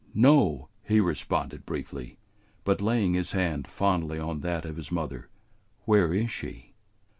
"No," he responded briefly, but laying his hand fondly on that of his mother. "Where is she?"